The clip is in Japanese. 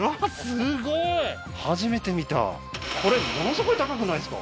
すごい初めて見たこれものすごい高くないですか？